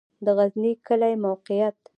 د غزنی کلی موقعیت